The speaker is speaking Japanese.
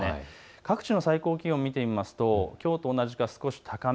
各地の最高気温を見てみますときょうと同じか少し高め。